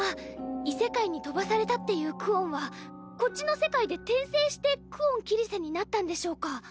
異世界に飛ばされたっていうクオンはこっちの世界で転生して久遠桐聖になったんでしょうか？